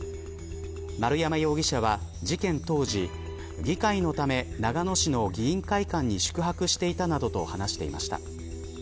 丸山容疑者は、事件当時議会のため長野市の議員会館に宿泊していたなどと話していました。